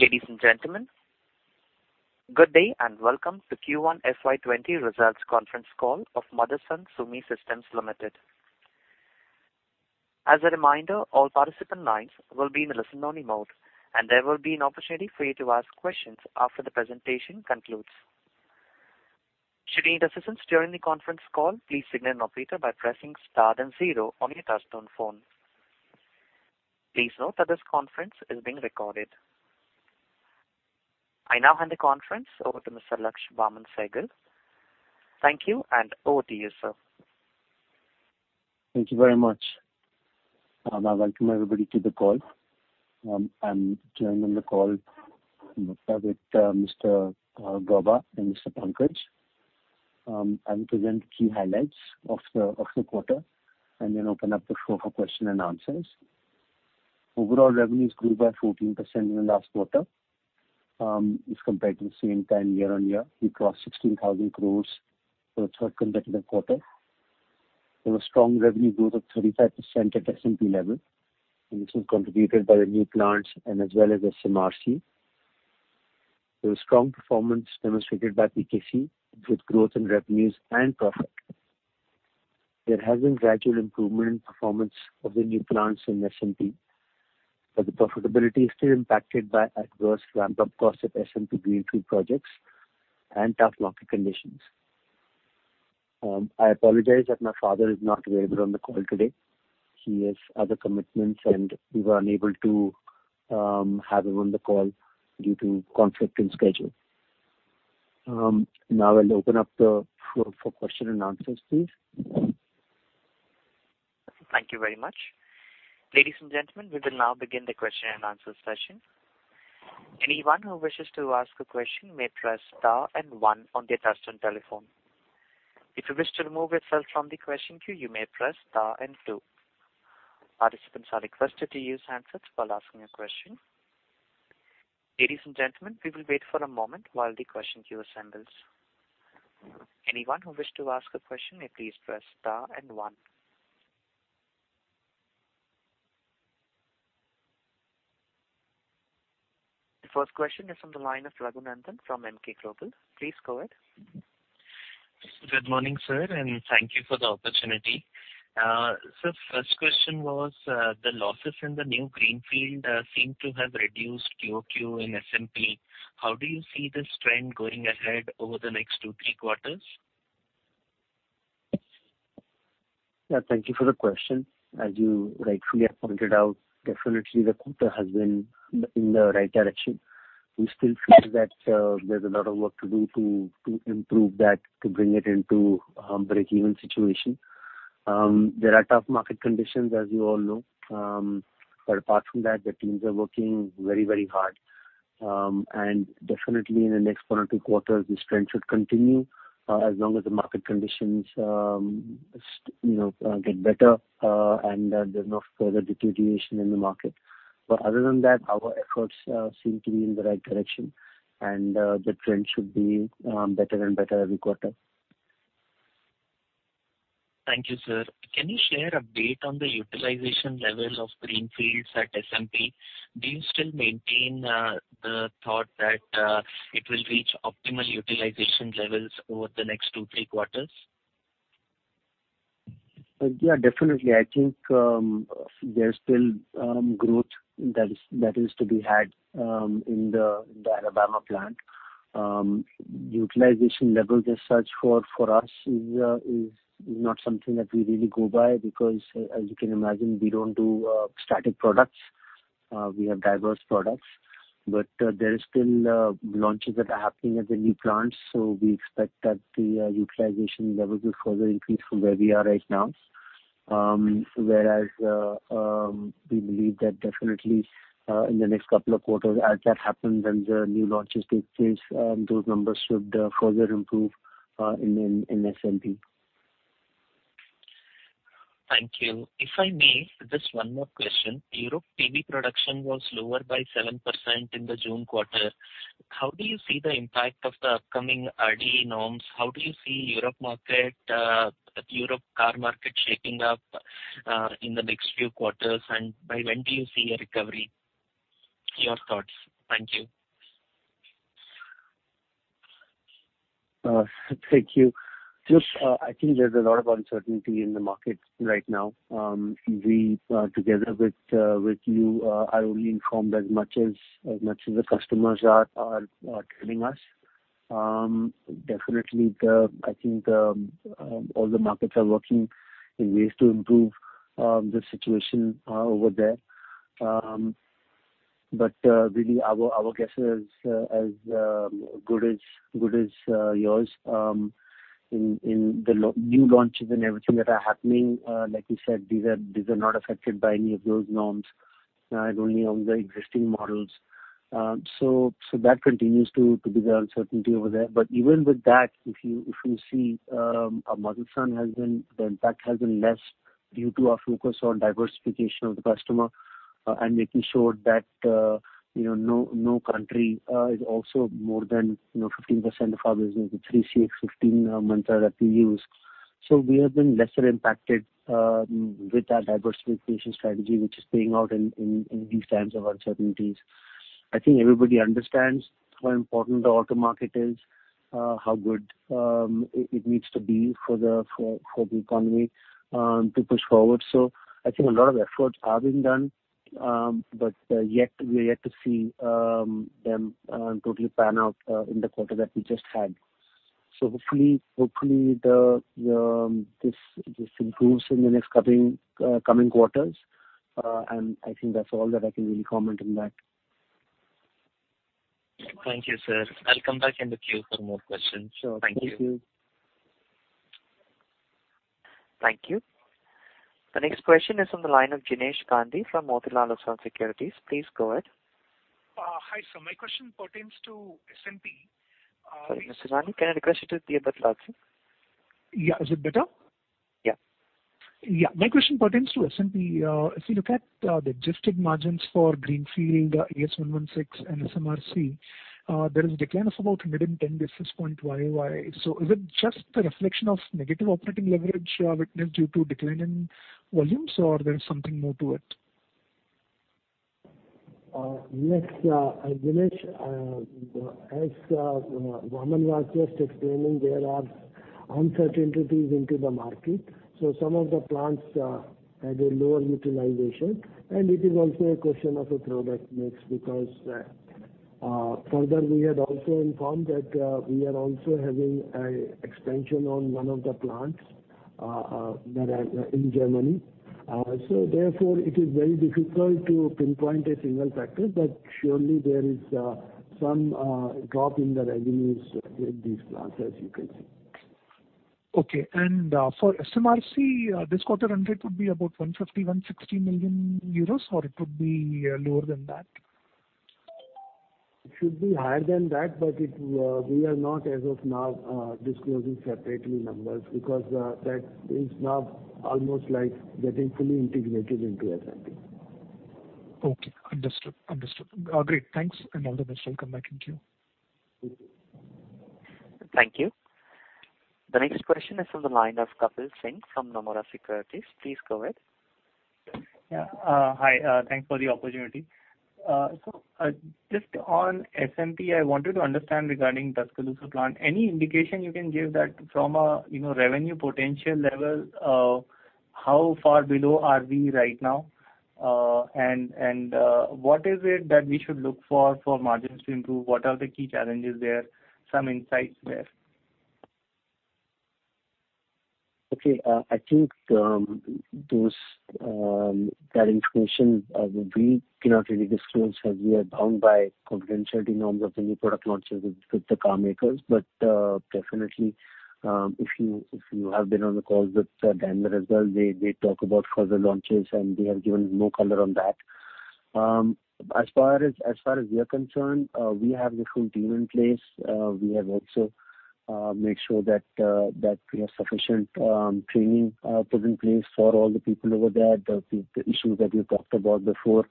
Ladies and gentlemen, good day and welcome to Q1 FY20 Results Conference Call of Motherson Sumi Systems Limited. As a reminder, all participant lines will be in a listen-only mode, and there will be an opportunity for you to ask questions after the presentation concludes. Should you need assistance during the conference call, please signal an operator by pressing star then zero on your touch-tone phone. Please note that this conference is being recorded. I now hand the conference over to Mr. Laksh Vaaman Sehgal. Thank you, and over to you, sir. Thank you very much. I welcome everybody to the call. I'm joining the call with Mr. Gauba and Mr. Pankaj Mital. I will present key highlights of the quarter and then open up the floor for questions and answers. Overall, revenues grew by 14% in the last quarter, as compared to the same time year on year. We crossed 16,000 crores for the third consecutive quarter. There was strong revenue growth of 35% at SMP level, and this was contributed by the new plants and as well as SMRC. There was strong performance demonstrated by PKC with growth in revenues and profit. There has been gradual improvement in performance of the new plants in SMP, but the profitability is still impacted by adverse ramp-up costs at SMP Greenfield projects and tough market conditions. I apologize that my father is not available on the call today. He has other commitments, and we were unable to have him on the call due to conflict in schedule. Now I'll open up the floor for questions and answers, please. Thank you very much. Ladies and gentlemen, we will now begin the question and answer session. Anyone who wishes to ask a question may press Star and One on their touch-tone telephone. If you wish to remove yourself from the question queue, you may press star and two. Participants are requested to use handsets while asking a question. Ladies and gentlemen, we will wait for a moment while the question queue assembles. Anyone who wishes to ask a question may please press Star and One. The first question is from the line of Raghunandan from Emkay Global. Please go ahead. Good morning, sir, and thank you for the opportunity. Sir, first question was, the losses in the new greenfield seem to have reduced QOQ in SMP. How do you see this trend going ahead over the next two, three quarters? Yeah, thank you for the question. As you rightfully have pointed out, definitely the quarter has been in the right direction. We still feel that there's a lot of work to do to improve that, to bring it into break-even situation. There are tough market conditions, as you all know. But apart from that, the teams are working very, very hard. And definitely in the next one or two quarters, this trend should continue, as long as the market conditions, you know, get better, and there's no further deterioration in the market. But other than that, our efforts seem to be in the right direction, and the trend should be better and better every quarter. Thank you, sir. Can you share a bit on the utilization level of Greenfields at SMP? Do you still maintain the thought that it will reach optimal utilization levels over the next two, three quarters? Yeah, definitely. I think there's still growth that is to be had in the Alabama plant. Utilization levels as such for us is not something that we really go by because, as you can imagine, we don't do static products. We have diverse products, but there are still launches that are happening at the new plants, so we expect that the utilization levels will further increase from where we are right now. Whereas we believe that definitely in the next couple of quarters, as that happens and the new launches take place, those numbers should further improve in SMP. Thank you. If I may, just one more question. Europe PV production was lower by 7% in the June quarter. How do you see the impact of the upcoming RDE norms? How do you see Europe market, Europe car market shaping up, in the next few quarters, and by when do you see a recovery? Your thoughts. Thank you. Thank you. Look, I think there's a lot of uncertainty in the market right now. We, together with you, are only informed as much as the customers are telling us. Definitely, I think the all the markets are working in ways to improve the situation over there. But really, our guess is as good as yours in the lo new launches and everything that are happening, like you said. These are not affected by any of those norms and only on the existing models. So that continues to be the uncertainty over there. But even with that, if you see, Motherson has been the impact has been less due to our focus on diversification of the customer, and making sure that, you know, no country is also more than, you know, 15% of our business with 3CX15, mantra that we use. So we have been less impacted with our diversification strategy, which is paying off in these times of uncertainties. I think everybody understands how important the auto market is, how good it needs to be for the economy to push forward. So I think a lot of efforts are being done, but yet we are to see them totally pan out in the quarter that we just had. So hopefully, this improves in the next coming quarters. And I think that's all that I can really comment on that. Thank you, sir. I'll come back in the queue for more questions. Sure. Thank you. Thank you. Thank you. The next question is from the line of Jinesh Gandhi from Motilal Oswal Securities. Please go ahead. Hi, sir. My question pertains to SMP. Sorry, Mr. Gandhi, can I request you to be a bit louder, sir? Yeah, is it better? Yeah. Yeah. My question pertains to SMP. If you look at the adjusted margins for Greenfield, Ind AS 116 and SMRC, there is a decline of about 110 basis points YOY. So is it just the reflection of negative operating leverage witnessed due to decline in volumes, or there's something more to it? Yes, Jinesh, as Raman was just explaining, there are uncertainties into the market. So some of the plants had a lower utilization, and it is also a question of a product mix because further we had also informed that we are also having an expansion on one of the plants that are in Germany. So therefore it is very difficult to pinpoint a single factor, but surely there is some drop in the revenues with these plants, as you can see. Okay, and for SMRC, this quarter run rate would be about 150-160 million euros, or it would be lower than that? It should be higher than that, but it, we are not, as of now, disclosing separately numbers because that is now almost like getting fully integrated into SMP. Okay. Understood. Understood. Great. Thanks. And all the best. I'll come back in queue. Thank you. The next question is from the line of Kapil Singh from Nomura Securities. Please go ahead. Yeah. Hi. Thanks for the opportunity. So, just on SMP, I wanted to understand regarding Tuscaloosa plant. Any indication you can give that from a, you know, revenue potential level of how far below are we right now? And what is it that we should look for, for margins to improve? What are the key challenges there? Some insights there. Okay. I think that information we cannot really disclose as we are bound by confidentiality norms of the new product launches with the car makers. But definitely, if you have been on the calls with Daimler as well, they talk about further launches, and they have given more color on that. As far as we are concerned, we have the full team in place. We have also made sure that we have sufficient training put in place for all the people over there. The issues that we have talked about before,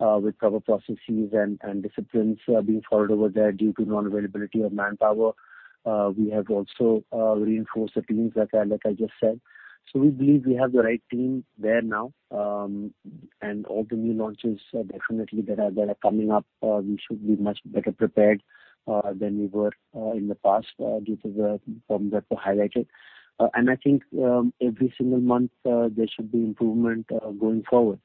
with proper processes and disciplines being followed over there due to non-availability of manpower. We have also reinforced the teams like I just said. So we believe we have the right team there now. And all the new launches, definitely that are coming up, we should be much better prepared than we were in the past, due to the problems that were highlighted. And I think every single month there should be improvement going forward.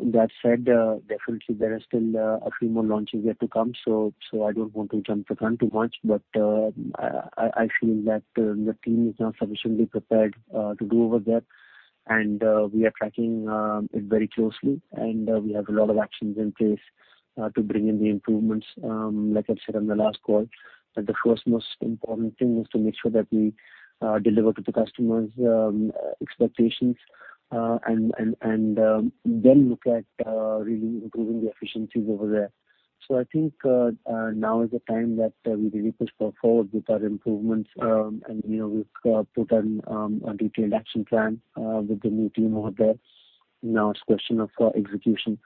That said, definitely there are still a few more launches yet to come. So I don't want to jump the gun too much, but I feel that the team is not sufficiently prepared to do over there. And we are tracking it very closely, and we have a lot of actions in place to bring in the improvements, like I've said on the last call. But the first most important thing is to make sure that we deliver to the customers' expectations, and then look at really improving the efficiencies over there. So I think now is the time that we really push forward with our improvements, and, you know, we've put on a detailed action plan with the new team over there. Now it's a question of execution,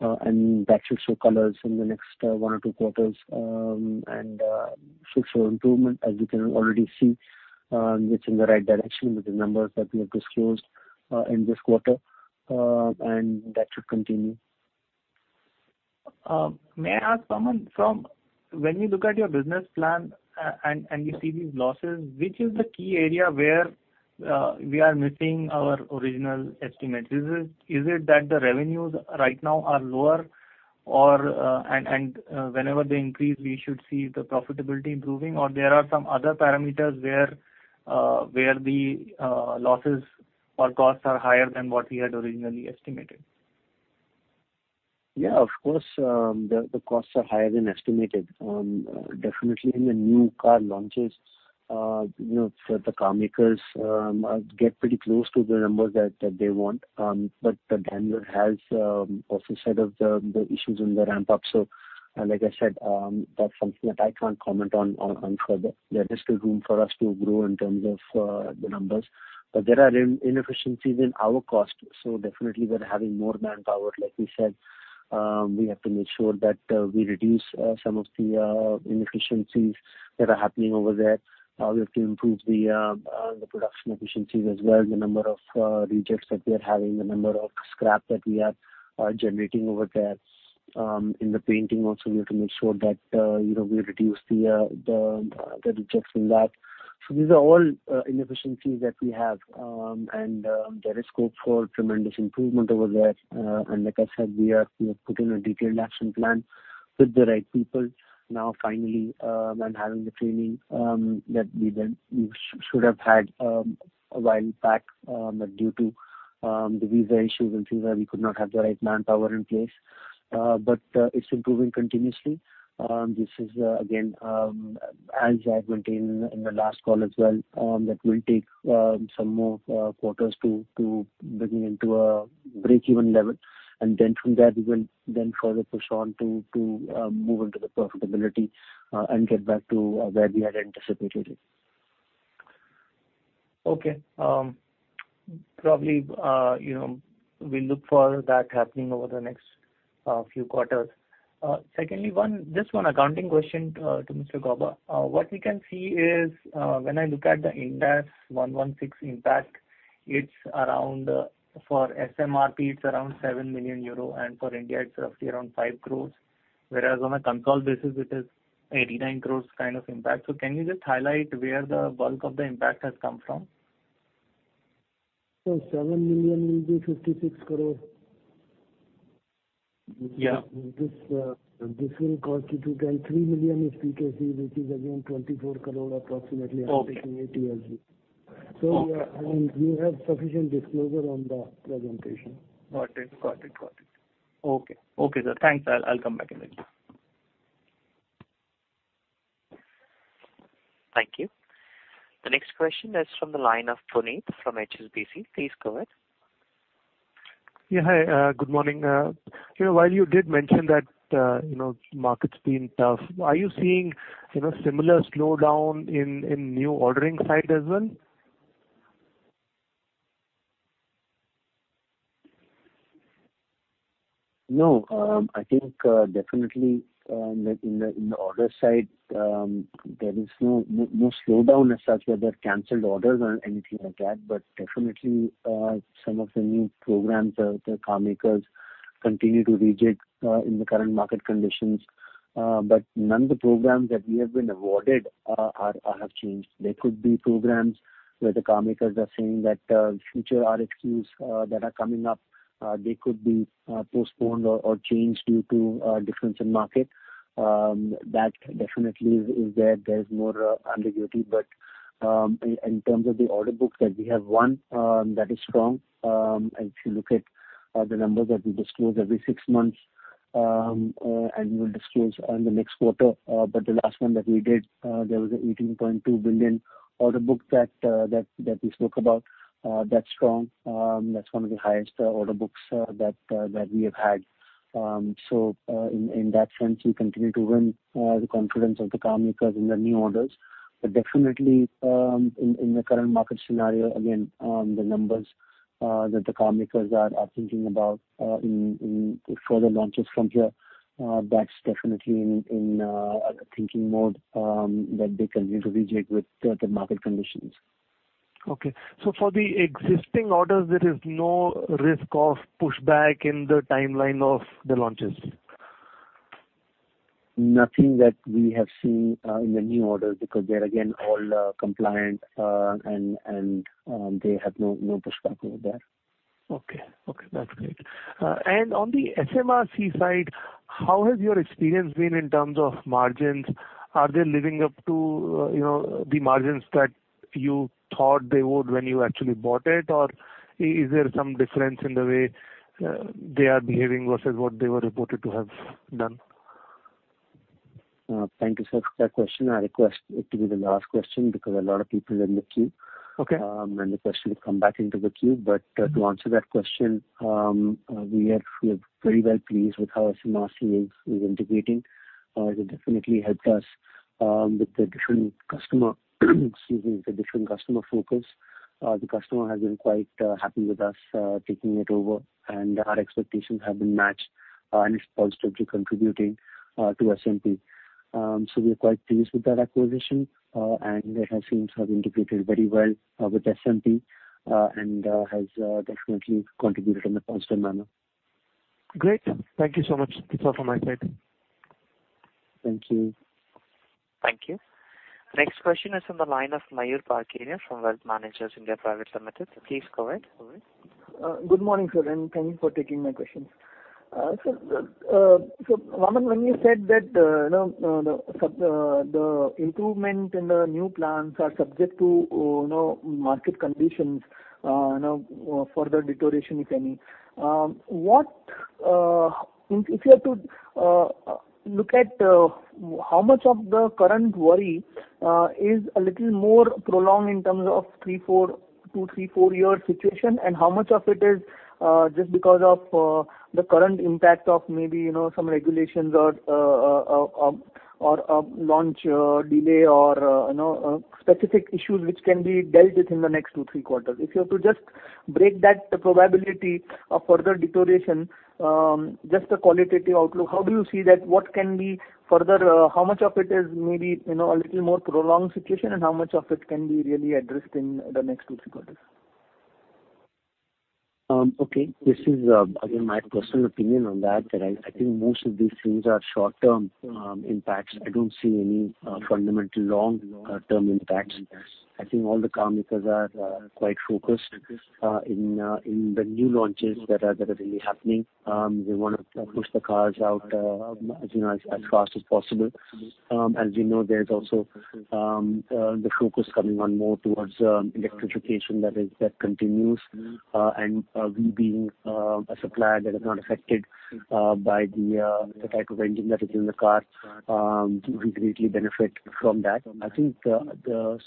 and that should show colors in the next one or two quarters, and should show improvement as we can already see, which in the right direction with the numbers that we have disclosed in this quarter. And that should continue. May I ask Vaaman, from when you look at your business plan, and you see these losses, which is the key area where we are missing our original estimates? Is it that the revenues right now are lower, or and whenever they increase, we should see the profitability improving, or there are some other parameters where the losses or costs are higher than what we had originally estimated? Yeah, of course. The costs are higher than estimated. Definitely in the new car launches, you know, the car makers get pretty close to the numbers that they want. But Daimler has also said of the issues in the ramp-up. So, like I said, that's something that I can't comment on further. There is still room for us to grow in terms of the numbers. But there are inefficiencies in our cost. So definitely we're having more manpower, like we said. We have to make sure that we reduce some of the inefficiencies that are happening over there. We have to improve the production efficiencies as well, the number of rejects that we are having, the number of scrap that we are generating over there. In the painting also, we have to make sure that, you know, we reduce the rejects in that. So these are all inefficiencies that we have. There is scope for tremendous improvement over there, and like I said, we are, you know, putting a detailed action plan with the right people now finally, and having the training that we should have had a while back, but due to the visa issues and things that we could not have the right manpower in place. But it's improving continuously. This is, again, as I've maintained in the last call as well, that we'll take some more quarters to bring it into a break-even level, and then from there, we will then further push on to move into the profitability, and get back to where we had anticipated it. Okay. Probably, you know, we'll look for that happening over the next few quarters. Secondly, just one accounting question to Mr. Gauba. What we can see is, when I look at the Ind AS 116 impact, it's around, for SMRP, it's around 7 million euro, and for India, it's roughly around 5 crores, whereas on a consolidated basis, it is 89 crores kind of impact. So can you just highlight where the bulk of the impact has come from? $7 million will be 56 crore. Yeah. This will constitute like $3 million, which is again 24 crore approximately. Okay. I'm taking 80 as well. So, yeah, I mean, you have sufficient disclosure on the presentation. Got it. Okay, sir. Thanks. I'll come back in a queue. Thank you. The next question is from the line of Puneet from HSBC. Please go ahead. Yeah. Hi, good morning. You know, while you did mention that, you know, market's been tough, are you seeing, you know, similar slowdown in the new ordering side as well? No. I think definitely in the order side there is no slowdown as such whether canceled orders or anything like that, but definitely some of the new programs the car makers continue to reject in the current market conditions, but none of the programs that we have been awarded have changed. There could be programs where the car makers are saying that future RFQs that are coming up they could be postponed or changed due to difference in market, that definitely is there. There is more ambiguity, but in terms of the order book that we have won that is strong, and if you look at the numbers that we disclose every six months and we will disclose in the next quarter. But the last one that we did, there was a $18.2 billion order book that we spoke about. That's strong. That's one of the highest order books that we have had. So, in that sense, we continue to win the confidence of the car makers in the new orders. But definitely, in the current market scenario, again, the numbers that the car makers are thinking about in further launches from here, that's definitely in thinking mode, that they continue to react to the market conditions. Okay, so for the existing orders, there is no risk of pushback in the timeline of the launches? Nothing that we have seen in the new orders because they're again all compliant, and they have no pushback over there. Okay. Okay. That's great, and on the SMRC side, how has your experience been in terms of margins? Are they living up to, you know, the margins that you thought they would when you actually bought it, or is there some difference in the way they are behaving versus what they were reported to have done? Thank you, sir, for that question. I request it to be the last question because a lot of people are in the queue. Okay. And the question will come back into the queue. But, to answer that question, we are very well pleased with how SMRC is integrating. It has definitely helped us, with the different customer, excuse me, with the different customer focus. The customer has been quite happy with us taking it over, and our expectations have been matched, and it's positively contributing to SMP. So we are quite pleased with that acquisition, and it has seems to have integrated very well with SMP, and has definitely contributed in a positive manner. Great. Thank you so much. That's all from my side. Thank you. Thank you. Next question is from the line of Mayur Parkeria from Wealth Managers India Private Limited. Please go ahead. Good morning, sir, and thank you for taking my questions. So, Raman, when you said that, you know, the substantial improvement in the new plans are subject to, you know, market conditions, you know, further deterioration if any, what, if you have to look at, how much of the current worry is a little more prolonged in terms of two, three, four-year situation, and how much of it is just because of the current impact of maybe, you know, some regulations or launch delay or, you know, specific issues which can be dealt with in the next two, three quarters? If you have to just break that probability of further deterioration, just a qualitative outlook, how do you see that? What can be further, how much of it is maybe, you know, a little more prolonged situation, and how much of it can be really addressed in the next two, three quarters? Okay. This is, again, my personal opinion on that. I think most of these things are short-term impacts. I don't see any fundamental long-term impacts. I think all the car makers are quite focused on the new launches that are really happening. They want to push the cars out, as you know, as fast as possible. As we know, there's also the focus coming on more towards electrification that is that continues, and we being a supplier that is not affected by the type of engine that is in the car. We greatly benefit from that. I think the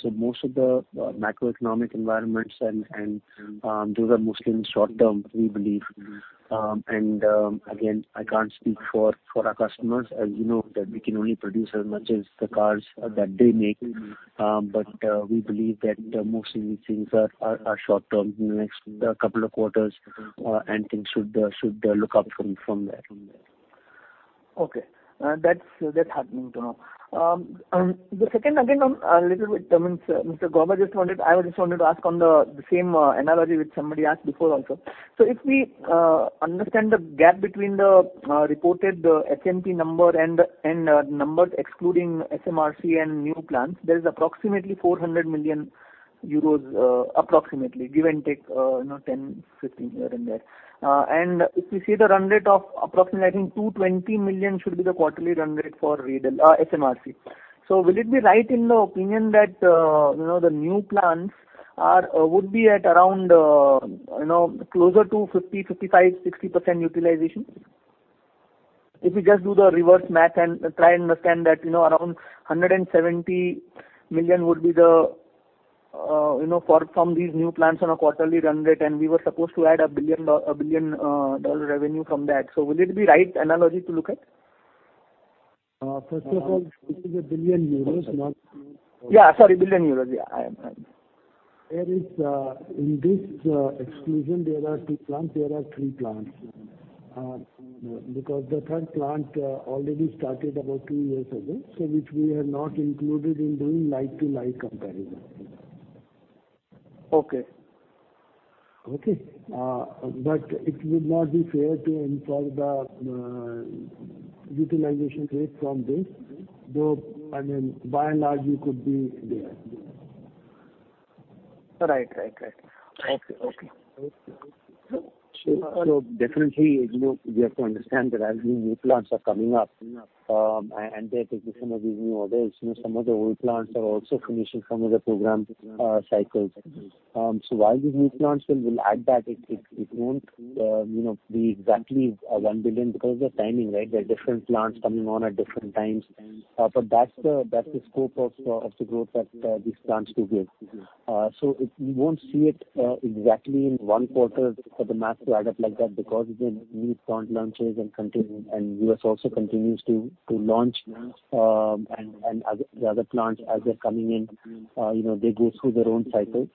so most of the macroeconomic environments and those are mostly in the short term, we believe. And, again, I can't speak for our customers, as you know, that we can only produce as much as the cars that they make. But we believe that mostly these things are short term in the next couple of quarters, and things should look up from there. Okay. That's happening, you know. The second, again, on a little bit. I mean, Mr. Gauba just wanted. I was just wanting to ask on the same analogy which somebody asked before also. So if we understand the gap between the reported SMP number and numbers excluding SMRC and new plants, there is approximately 400 million euros, approximately, give and take, you know, 10, 15 here and there. And if we see the run rate of approximately, I think 220 million should be the quarterly run rate for Reydel, SMRC. So will it be right in the opinion that, you know, the new plants are would be at around, you know, closer to 50%, 55%, 60% utilization? If we just do the reverse math and try and understand that, you know, around $170 million would be the, you know, for from these new plants on a quarterly run rate, and we were supposed to add a billion-dollar revenue from that. So, will it be the right analogy to look at? First of all, this is 1 billion euros, not. Yeah. Sorry. Billion EUR. Yeah. I am. There is, in this exclusion, there are two plants. There are three plants because the third plant already started about two years ago, so which we have not included in doing like-to-like comparison. Okay. Okay. But it would not be fair to infer the utilization rate from this, though. I mean, by and large, you could be there. Right. Okay. Definitely, you know, we have to understand that as these new plants are coming up, and they're taking some of these new orders, you know, some of the old plants are also finishing some of the program cycles. While these new plants will add that, it won't, you know, be exactly 1 billion because of the timing, right? There are different plants coming on at different times. That's the scope of the growth that these plants do give. You won't see it exactly in one quarter for the math to add up like that because the new front launches continue, and the U.S. also continues to launch, and the other plants as they're coming in, you know, they go through their own cycles.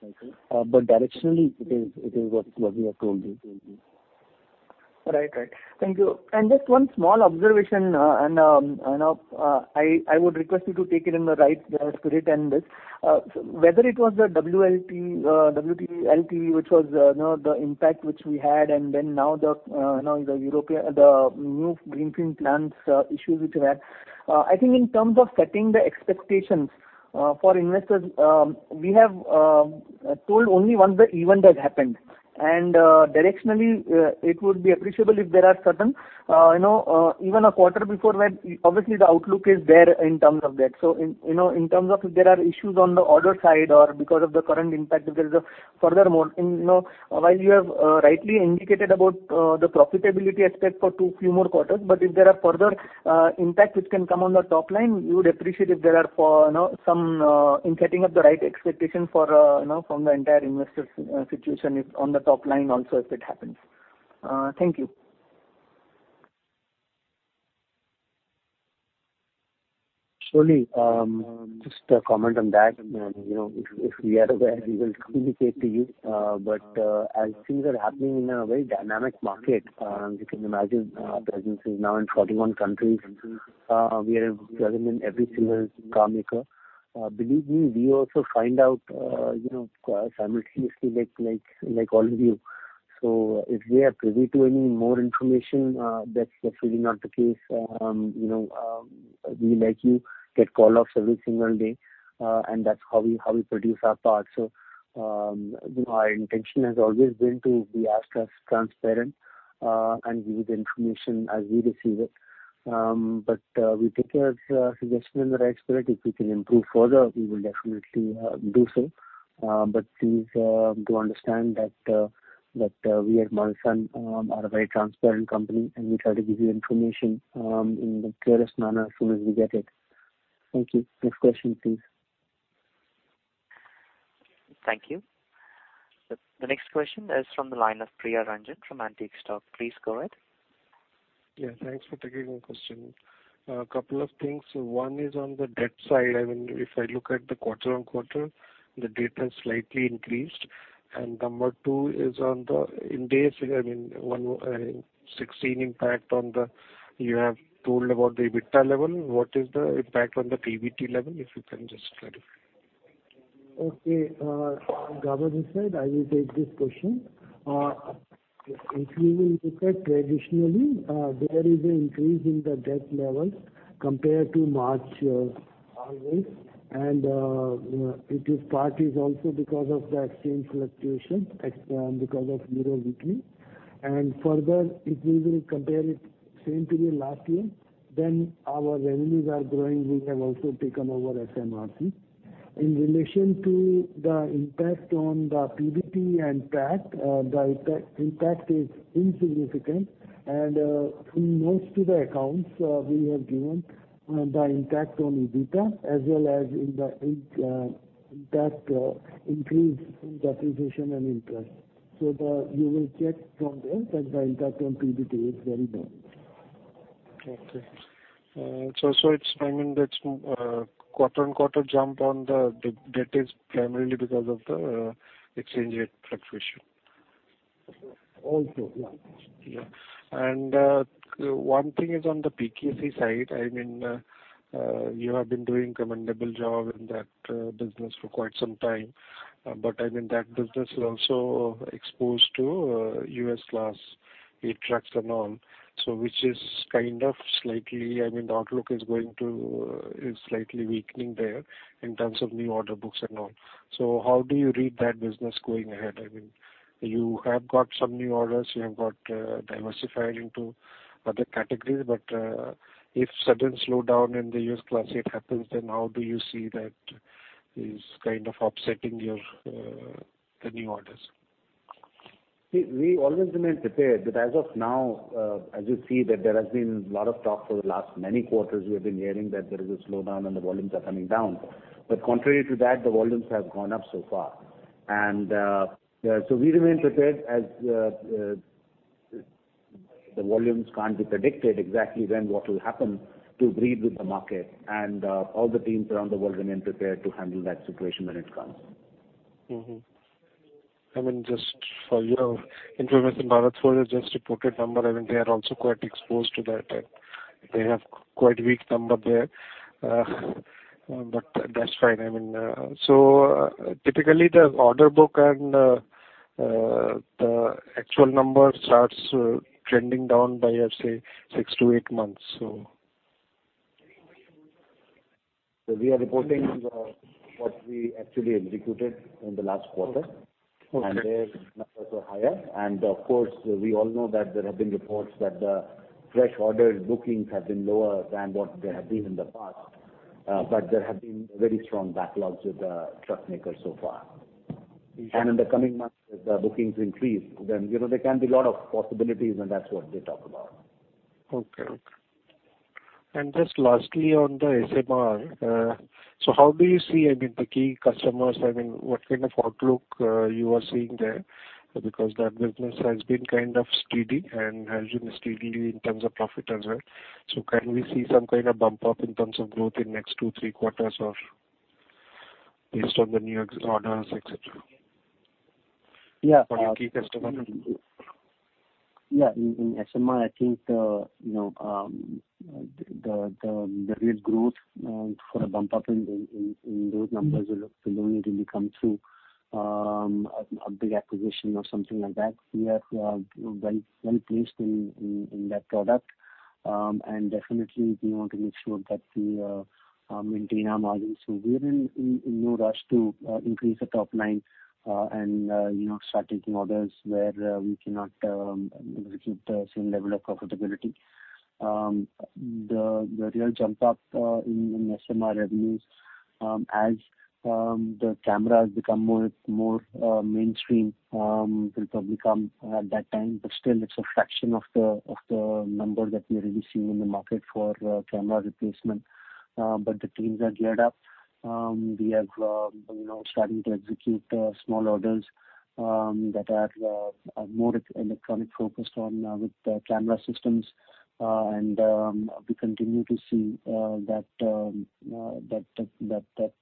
But directionally, it is what we have told you. Right. Right. Thank you. And just one small observation, and, you know, I, I would request you to take it in the right spirit and this. So whether it was the WLTP, which was, you know, the impact which we had, and then now the, you know, the European new greenfield plans, issues which we had, I think in terms of setting the expectations for investors, we have told only once the event has happened. And directionally, it would be appreciable if there are certain, you know, even a quarter before that, obviously the outlook is there in terms of that. So, you know, in terms of if there are issues on the order side or because of the current impact, if there is furthermore, you know, while you have rightly indicated about the profitability aspect for a few more quarters, but if there are further impact which can come on the top line, we would appreciate if there are, you know, some in setting up the right expectation for, you know, from the entire investors situation if on the top line also if it happens. Thank you. Surely, just a comment on that. And, you know, if we are aware, we will communicate to you. But, as things are happening in a very dynamic market, you can imagine, presence is now in 41 countries. We are present in every single car maker. Believe me, we also find out, you know, simultaneously, like all of you. So if we are privy to any more information, that's really not the case. You know, we, like you, get call-offs every single day. And that's how we produce our parts. So, you know, our intention has always been to be as transparent, and give you the information as we receive it. But, we take your suggestion in the right spirit. If we can improve further, we will definitely do so. But please, do understand that, we at Motherson, are a very transparent company, and we try to give you information, in the clearest manner as soon as we get it. Thank you. Next question, please. Thank you. The next question is from the line of Priya Ranjan from Antique Stock. Please go ahead. Yeah. Thanks for taking my question. A couple of things. One is on the debt side. I mean, if I look at the quarter on quarter, the debt has slightly increased. And number two is on the Ind AS 116 impact on the you have told about the EBITDA level. What is the impact on the PBT level if you can just clarify? Okay. Gauba just said, I will take this question. If you will look at traditionally, there is an increase in the debt level compared to March, always. And it is partly also because of the exchange fluctuation, e.g., because of Euro weakening. And further, if we will compare it same period last year, then our revenues are growing. We have also taken over SMRC. In relation to the impact on the PBT and PAT, the impact is insignificant. And most of the accounts we have given, the impact on EBITDA as well as the increase in depreciation and interest. So you will check from there that the impact on PBT is very big. Okay. So it's, I mean, that's quarter on quarter jump on the debt is primarily because of the exchange rate fluctuation. Also, yeah. Yeah. And one thing is on the PKC side. I mean, you have been doing a commendable job in that business for quite some time. But I mean, that business is also exposed to U.S. Class 8 trucks and all, so which is kind of slightly, I mean, the outlook is going to, is slightly weakening there in terms of new order books and all. So how do you read that business going ahead? I mean, you have got some new orders. You have got diversified into other categories. But if a sudden slowdown in the U.S. Class 8 happens, then how do you see that is kind of upsetting your the new orders? We always remain prepared that as of now, as you see that there has been a lot of talk for the last many quarters, we have been hearing that there is a slowdown and the volumes are coming down. Contrary to that, the volumes have gone up so far. So we remain prepared as the volumes can't be predicted exactly when what will happen to bleed with the market. All the teams around the world remain prepared to handle that situation when it comes. Mm-hmm. I mean, just for your information, Vaaman, for the just reported number, I mean, they are also quite exposed to that, and they have quite weak number there. But that's fine. I mean, so, typically the order book and, the actual number starts, trending down by, let's say, six to eight months, so. So we are reporting what we actually executed in the last quarter. Okay. And their numbers were higher. And of course, we all know that there have been reports that the fresh orders bookings have been lower than what there have been in the past. But there have been very strong backlogs with the truck makers so far. Yeah. In the coming months, if the bookings increase, then, you know, there can be a lot of possibilities, and that's what they talk about. Okay. Okay. And just lastly on the SMR, so how do you see, I mean, the key customers, I mean, what kind of outlook, you are seeing there? Because that business has been kind of steady and has been steady in terms of profit as well. So can we see some kind of bump up in terms of growth in next two, three quarters or based on the new orders, etc.? Yeah. For your key customers. Yeah. In SMR, I think, you know, the real growth, for a bump up in those numbers will only really come through a big acquisition or something like that. We are well placed in that product. And definitely, we want to make sure that we maintain our margins. So we are in no rush to increase the top line, and, you know, start taking orders where we cannot execute the same level of profitability. The real jump up in SMR revenues, as the cameras become more mainstream, will probably come at that time. But still, it's a fraction of the number that we are really seeing in the market for camera replacement. But the teams are geared up. We have, you know, starting to execute small orders that are more electronic focused on with camera systems. We continue to see that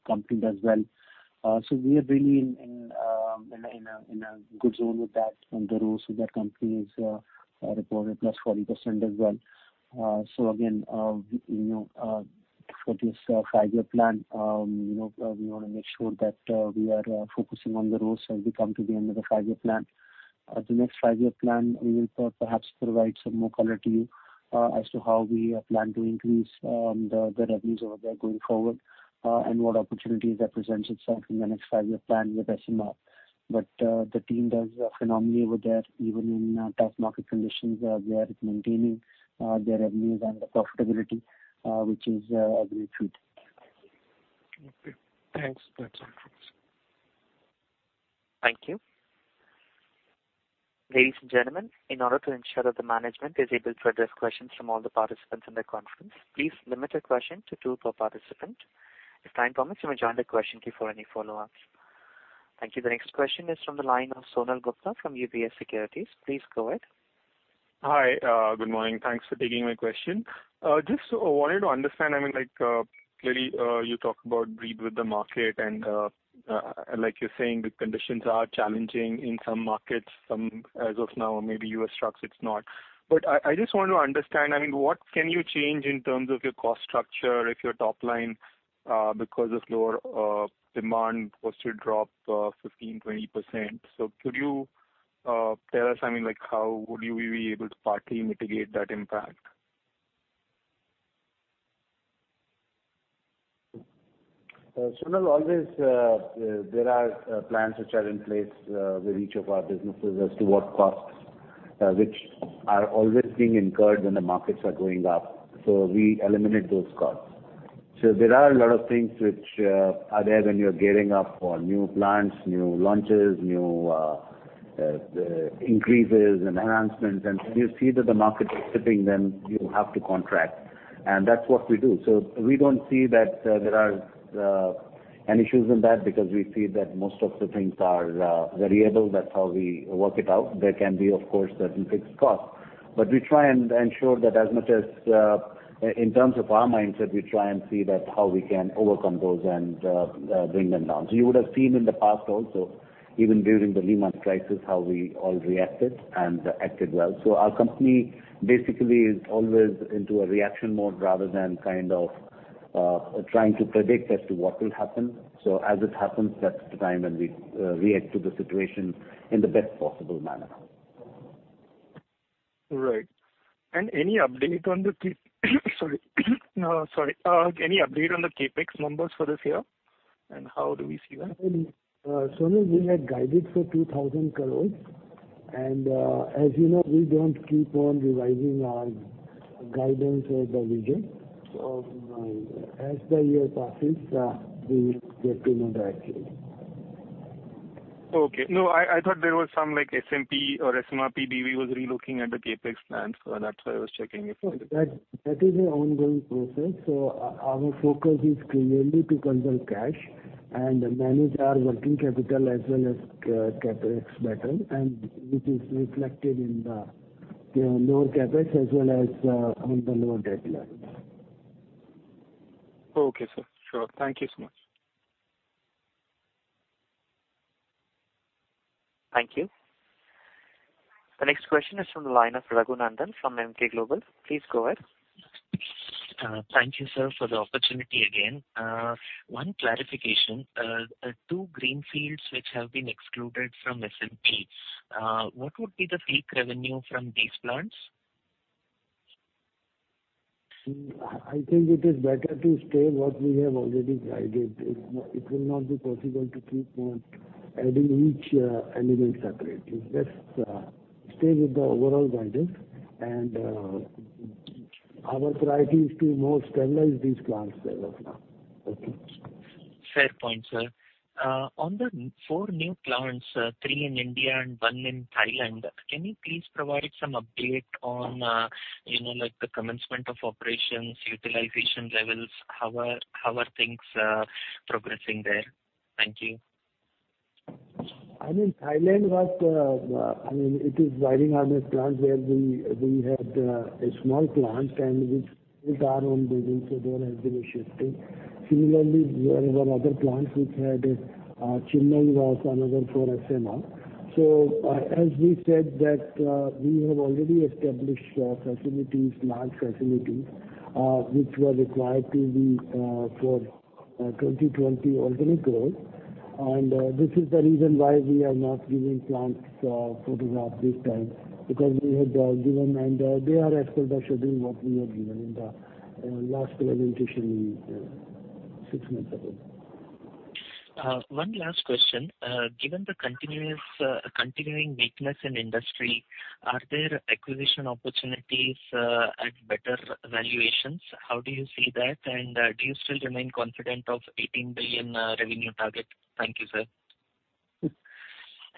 company does well. We are really in a good zone with that. The ROCE with that company is reported +40% as well. Again, you know, for this five-year plan, you know, we want to make sure that we are focusing on the ROCE as we come to the end of the five-year plan. The next five-year plan, we will perhaps provide some more color to you as to how we plan to increase the revenues over there going forward, and what opportunities that presents itself in the next five-year plan with SMR. But the team does phenomenally over there, even in tough market conditions. They are maintaining their revenues and the profitability, which is a great feat. Okay. Thanks. That's all from us. Thank you. Ladies and gentlemen, in order to ensure that the management is able to address questions from all the participants in the conference, please limit your question to two per participant. If time permits, you may join the question queue for any follow-ups. Thank you. The next question is from the line of Sonal Gupta from UBS Securities. Please go ahead. Hi. Good morning. Thanks for taking my question. Just wanted to understand, I mean, like, clearly, you talk about breakeven with the market and, like you're saying, the conditions are challenging in some markets, some as of now, maybe US autos, it's not. But I just want to understand, I mean, what can you change in terms of your cost structure if your top line, because of lower demand was to drop 15%-20%? So could you tell us, I mean, like, how would you be able to partly mitigate that impact? Sonal, always there are plans which are in place with each of our businesses as to what costs which are always being incurred when the markets are going up. So we eliminate those costs. So there are a lot of things which are there when you're gearing up for new plants, new launches, new increases and enhancements. And when you see that the market is tipping, then you have to contract. And that's what we do. So we don't see that there are any issues in that because we see that most of the things are variable. That's how we work it out. There can be, of course, certain fixed costs. But we try and ensure that as much as in terms of our mindset, we try and see that how we can overcome those and bring them down. You would have seen in the past also, even during the Lehman crisis, how we all reacted and acted well. Our company basically is always into a reaction mode rather than kind of trying to predict as to what will happen. As it happens, that's the time when we react to the situation in the best possible manner. Right. And any update on the Capex numbers for this year? And how do we see that? Sonal, we had guided for 2,000 crores. And, as you know, we don't keep on revising our guidance or the vision. So, as the year passes, we will get to know the actuals. Okay. No, I thought there was some, like, SMP or SMRP, they were relooking at the Capex plans. So that's why I was checking if. No, that, that is an ongoing process. So our focus is clearly to conserve cash and manage our working capital as well as CapEx better, and which is reflected in the lower CapEx as well as on the lower debt level. Okay, sir. Sure. Thank you so much. Thank you. The next question is from the line of Raghunandan from Emkay Global. Please go ahead. Thank you, sir, for the opportunity again. One clarification. Two greenfields which have been excluded from SMP. What would be the peak revenue from these plants? See, I think it is better to stay with what we have already guided. It will not be possible to keep on adding each element separately. Let's stay with the overall guidance. Our priority is to more stabilize these plants as of now. Okay. Fair point, sir. On the four new plants, three in India and one in Thailand, can you please provide some update on, you know, like, the commencement of operations, utilization levels, how are things progressing there? Thank you. I mean, Thailand was, I mean, it is riding on a plant where we had a small plant and we built our own building, so there has been a shifting. Similarly, there were other plants which had, Chennai was another for SMR. So, as we said that, we have already established facilities, large facilities, which were required to be for 2020 organic growth. This is the reason why we are not giving plant photographs this time because we had given, and they are as per the schedule what we had given in the last presentation six months ago. One last question. Given the continuous, continuing weakness in industry, are there acquisition opportunities at better valuations? How do you see that? And, do you still remain confident of $18 billion revenue target? Thank you, sir.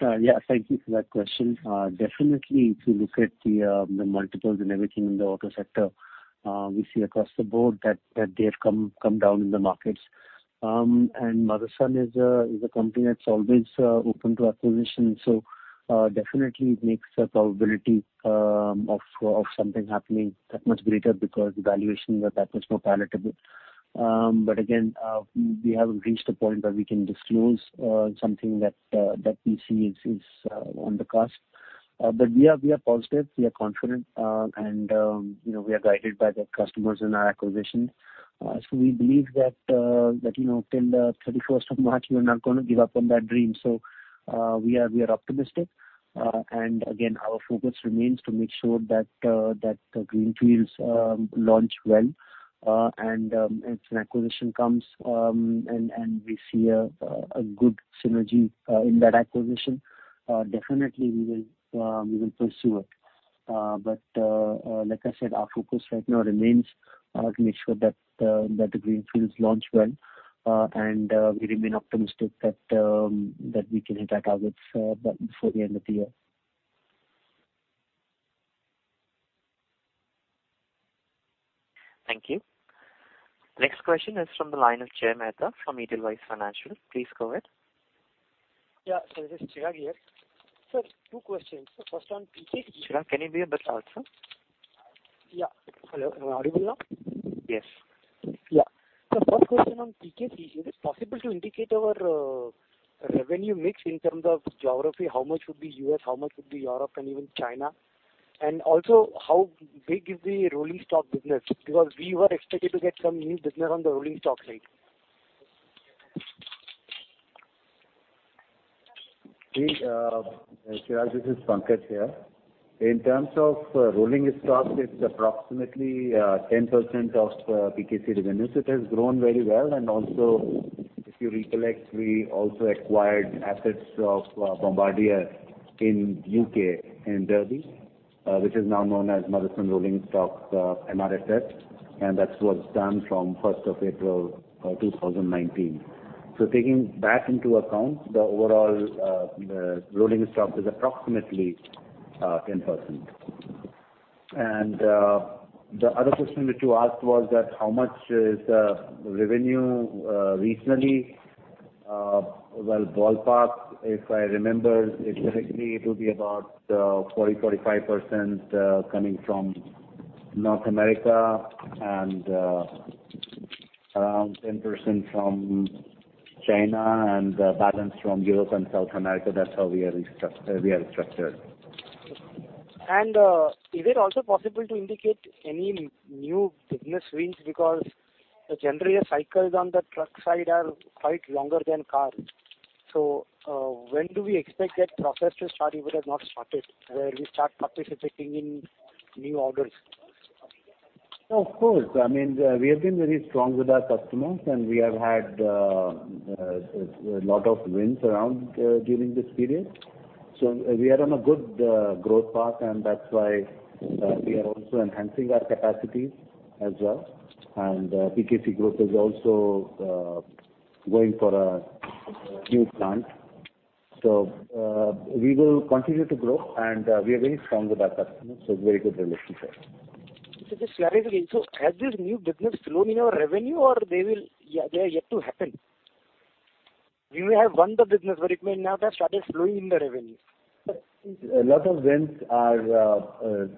Yeah, thank you for that question. Definitely, if you look at the multiples and everything in the auto sector, we see across the board that they have come down in the markets, and Motherson is a company that's always open to acquisition. So, definitely it makes the probability of something happening that much greater because the valuations are that much more palatable. But again, we have reached a point where we can disclose something that we see is on the cusp. But we are positive. We are confident, and you know, we are guided by the customers in our acquisitions. So we believe that, you know, till the 31st of March, we are not going to give up on that dream. So, we are optimistic. And again, our focus remains to make sure that the Greenfields launch well. If an acquisition comes and we see a good synergy in that acquisition, definitely we will pursue it. But, like I said, our focus right now remains to make sure that the Greenfields launch well. We remain optimistic that we can hit our targets before the end of the year. Thank you. Next question is from the line of Jay Mehta from Edelweiss Financial Services. Please go ahead. Yeah. So this is Chirag here. Sir, two questions. The first one, PKC. Chirag, can you be a bit louder, sir? Yeah. Hello. Are you able now? Yes. Yeah. So first question on PKC, is it possible to indicate our revenue mix in terms of geography? How much would be U.S., how much would be Europe, and even China? And also, how big is the rolling stock business? Because we were expected to get some new business on the rolling stock side. Yes, Chirag, this is Pankaj here. In terms of rolling stock, it's approximately 10% of PKC revenues. It has grown very well. Also, if you recollect, we also acquired assets of Bombardier in the U.K. in Derby, which is now known as Motherson Rolling Stock, MRSS. That was done from 1st of April 2019. So taking that into account, the overall rolling stock is approximately 10%. The other question which you asked was that how much is the revenue regionally? Well, ballpark, if I remember correctly, it will be about 40-45% coming from North America and around 10% from China and balance from Europe and South America. That's how we are restructured. Is it also possible to indicate any new business wins? Because generally, the cycles on the truck side are quite longer than cars. When do we expect that process to start if it has not started, where we start participating in new orders? Of course. I mean, we have been very strong with our customers, and we have had a lot of wins around during this period, so we are on a good growth path, and that's why we are also enhancing our capacities as well, and PKC Group is also going for a new plant, so we will continue to grow, and we are very strong with our customers, so it's a very good relationship. So, just clarifying. So, has this new business flowed in our revenue, or will they? Yeah, they are yet to happen. We may have won the business, but it may not have started flowing in the revenue. A lot of wins are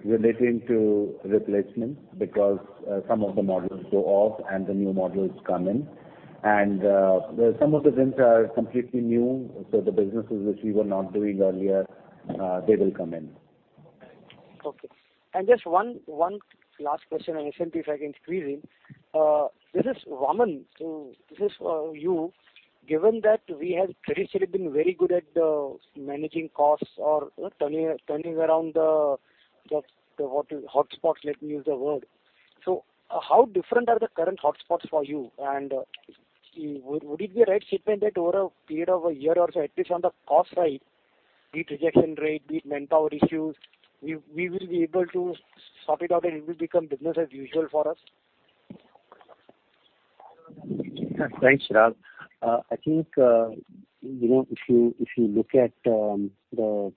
relating to replacements because some of the models go off and the new models come in. And some of the wins are completely new. So the businesses which we were not doing earlier, they will come in. Okay. And just one last question, and if I can squeeze in, this is Vaaman. So this is, you. Given that we have traditionally been very good at managing costs or turning around the hotspots, let me use the word. So how different are the current hotspots for you? And would it be a right statement that over a period of a year or so, at least on the cost side, be it rejection rate, be it manpower issues, we will be able to sort t out and it will become business as usual for us? Thanks, Chirag. I think, you know, if you look at the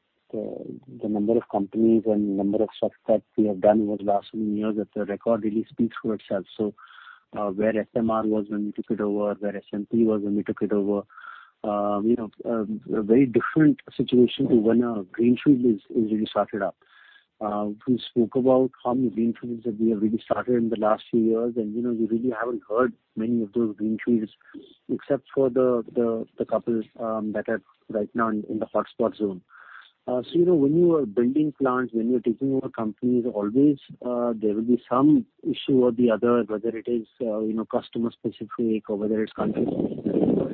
number of companies and number of stuff that we have done over the last few years, that the record really speaks for itself. So, where SMR was when we took it over, where SMP was when we took it over, you know, a very different situation to when a greenfield is really started up. We spoke about how many Greenfields that we have really started in the last few years. And, you know, you really haven't heard many of those Greenfields except for the couple that are right now in the hotspot zone. So, you know, when you are building plants, when you are taking over companies, always, there will be some issue or the other, whether it is, you know, customer-specific or whether it's country-specific or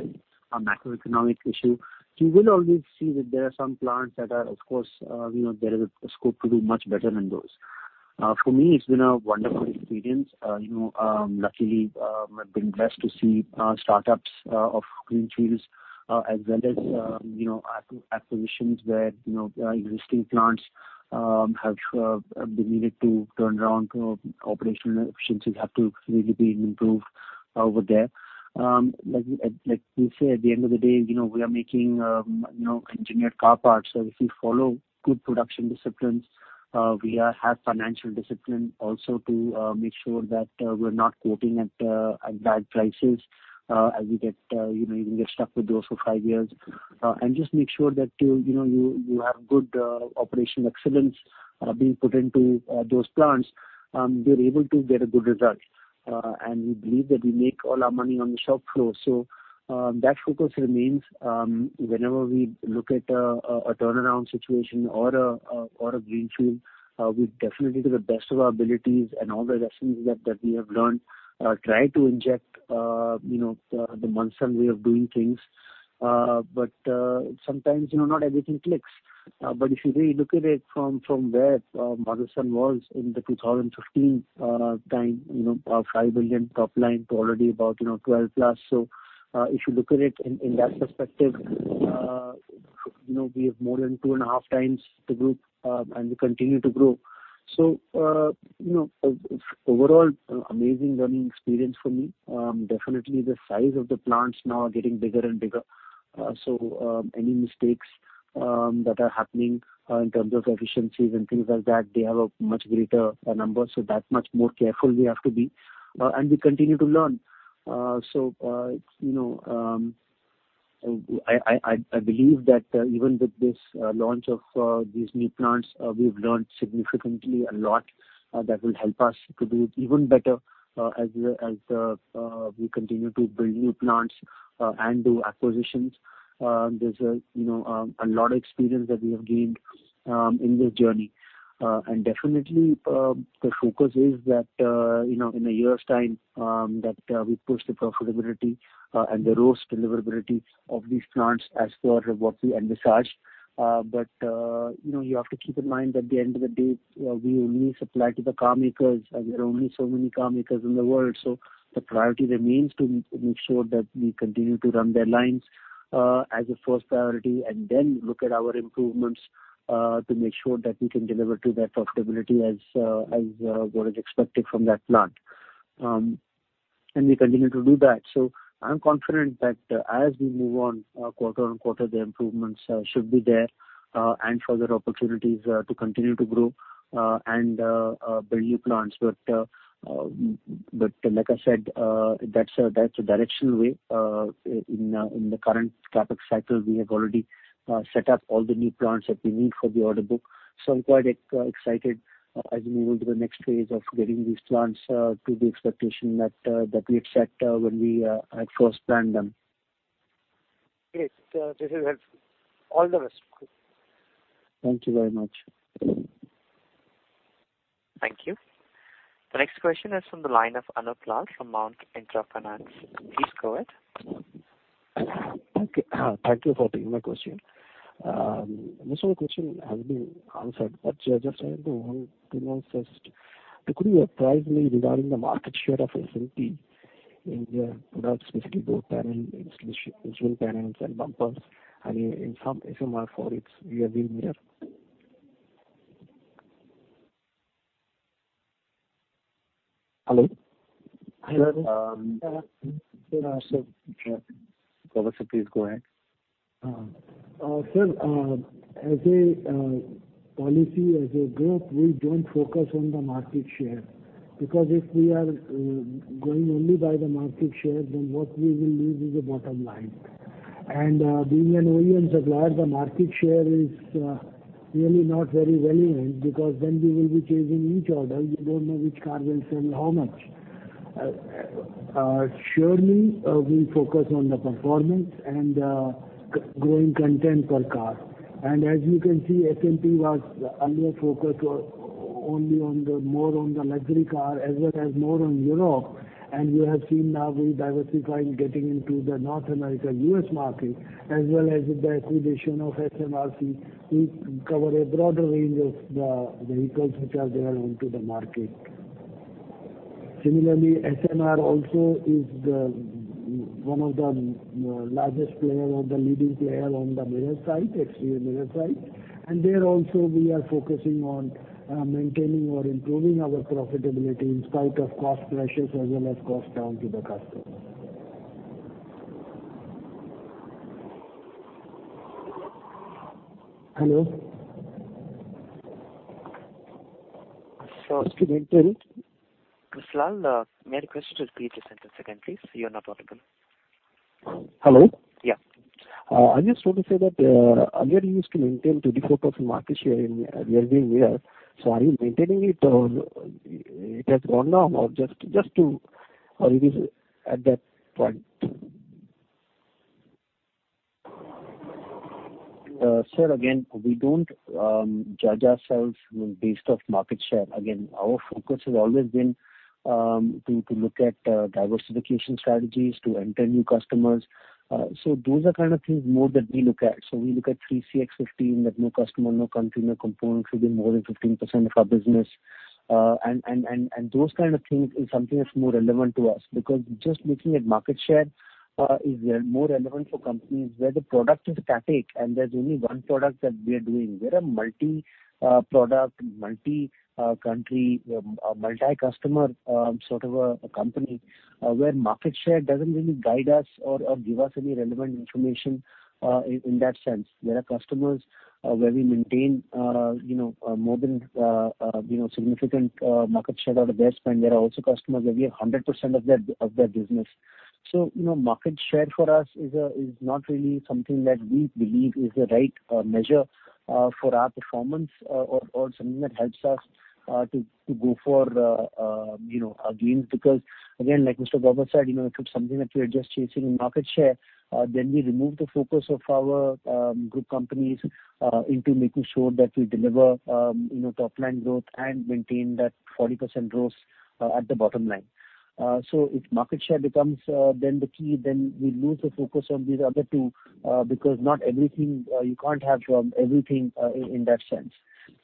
a macroeconomic issue. You will always see that there are some plants that are, of course, you know, there is a scope to do much better in those. For me, it's been a wonderful experience. You know, luckily, I've been blessed to see startups of Greenfields, as well as, you know, acquisitions where, you know, existing plants have been needed to turn around to operational efficiencies have to really be improved over there. Like we say, at the end of the day, you know, we are making, you know, engineered car parts. So if we follow good production disciplines, we have financial discipline also to make sure that we're not quoting at bad prices, as we get, you know, even stuck with those for five years. And just make sure that, you know, you have good operational excellence being put into those plants, you're able to get a good result. We believe that we make all our money on the shop floor. So, that focus remains. Whenever we look at a turnaround situation or a greenfield, we definitely do the best of our abilities and all the lessons that we have learned try to inject, you know, the Motherson way of doing things. But sometimes, you know, not everything clicks. But if you really look at it from where Motherson was in the 2015 time, you know, 5 billion top line to already about, you know, 12 plus. So, if you look at it in that perspective, you know, we have more than two and a half times the group, and we continue to grow. So, you know, overall, amazing learning experience for me. Definitely the size of the plants now are getting bigger and bigger. So any mistakes that are happening, in terms of efficiencies and things like that, they have a much greater number. So that much more careful we have to be. And we continue to learn. So, you know, I believe that, even with this launch of these new plants, we've learned significantly a lot that will help us to do even better, as we continue to build new plants and do acquisitions. There's a, you know, a lot of experience that we have gained in this journey. And definitely, the focus is that, you know, in a year's time, that we push the profitability and the ROCE deliverability of these plants as per what we envisaged. But, you know, you have to keep in mind that at the end of the day, we only supply to the car makers. There are only so many car makers in the world. So the priority remains to make sure that we continue to run their lines, as a first priority, and then look at our improvements, to make sure that we can deliver to that profitability as what is expected from that plant. And we continue to do that. So I'm confident that as we move on, quarter on quarter, the improvements should be there, and further opportunities to continue to grow and build new plants. But like I said, that's a directional way. In the current CapEx cycle, we have already set up all the new plants that we need for the order book. I'm quite excited as we move into the next phase of getting these plants to the expectation that we had set when we had first planned them. Great. This is helpful. All the best. Thank you very much. Thank you. The next question is from the line of Anup Lal from Mount Intra Finance. Please go ahead. Okay. Thank you for taking my question. This other question has been answered, but, just I want to know first, could you advise me regarding the market share of SMP in their products, specifically both panel installation, instrument panels and bumpers, and in, in some SMR for its rearview mirror? Hello? Hi, sir. So, sir, please go ahead. Sir, as a policy, as a group, we don't focus on the market share. Because if we are going only by the market share, then what we will lose is the bottom line. And being an OEM supplier, the market share is really not very relevant because then we will be chasing each order. You don't know which car will sell how much. Surely we focus on the performance and growing content per car. And as you can see, SMP was under focus only on the more on the luxury car as well as more on Europe. And you have seen now we're diversifying, getting into the North America, U.S. market, as well as the acquisition of SMRC. We cover a broader range of the vehicles which are there onto the market. Similarly, SMR also is one of the largest player or the leading player on the mirror side, exterior mirror side, and there also we are focusing on maintaining or improving our profitability in spite of cost pressures as well as cost down to the customer. Hello? Sure. Excuse me. Hello? Ruslan, may I request you to repeat your sentence again, please? You're not audible. Hello? Yeah. I just want to say that, I'm getting used to maintaining 24% market share in rearview mirror. So are you maintaining it, or it has gone down, or just to, or it is at that point? Sir, again, we don't judge ourselves based off market share. Again, our focus has always been to look at diversification strategies to enter new customers. So those are kind of things more that we look at. So we look at 3CX15, that no customer, no country, no component should be more than 15% of our business. And those kind of things is something that's more relevant to us. Because just looking at market share is more relevant for companies where the product is static and there's only one product that we are doing. We're a multi-product, multi-country, multi-customer sort of a company, where market share doesn't really guide us or give us any relevant information in that sense. There are customers where we maintain, you know, more than, you know, significant market share or the best, and there are also customers where we have 100% of their business. So, you know, market share for us is not really something that we believe is the right measure for our performance or something that helps us to go for our gains. Because again, like Mr. Gauba said, you know, if it's something that we are just chasing in market share, then we remove the focus of our group companies into making sure that we deliver, you know, top line growth and maintain that 40% ROCE at the bottom line. If market share becomes the key, then we lose the focus on these other two, because not everything, you can't have everything in that sense.